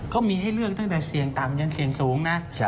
มีให้เลือกตั้งแต่เสี่ยงต่ำยันเสี่ยงสูงนะ